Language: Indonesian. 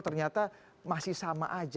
ternyata masih sama aja